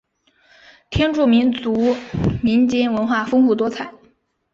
天柱民族民间文化丰富多彩。